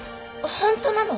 本当なの？